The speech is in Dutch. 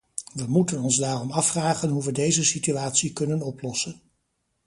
We moeten ons daarom afvragen hoe we deze situatie kunnen oplossen.